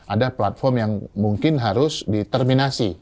ada platform yang mungkin harus diterminasi